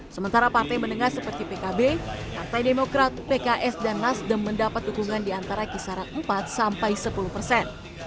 sementara partai menengah seperti pkb partai demokrat pks dan nasdem mendapat dukungan di antara kisaran empat sampai sepuluh persen